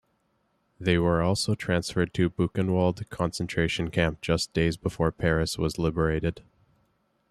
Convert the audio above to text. They were also transferred to Buchenwald concentration camp just days before Paris was liberated.